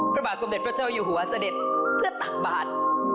พระบาทสมเด็จพระเจ้าอยู่หัวเสด็จเพื่อตักบาท